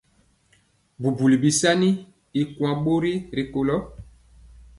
Bubuli bisaani y kuan bori rikolo.